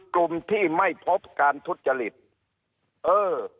กลุ่มที่ไม่พบการทุจริตเออ